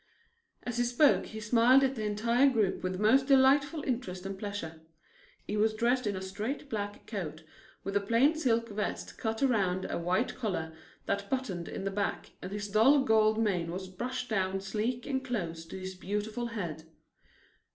As he spoke he smiled at the entire group with the most delightful interest and pleasure. He was dressed in a straight black coat with a plain silk vest cut around a white collar that buttoned in the back, and his dull gold mane was brushed down sleek and close to his beautiful head.